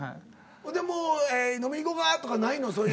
ほんでもう飲み行こかとかないのそういう。